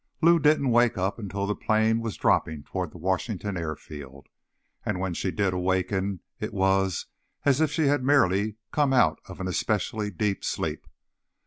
9 Lou didn't wake up until the plane was dropping toward the Washington airfield, and when she did awaken it was as if she had merely come out of an especially deep sleep.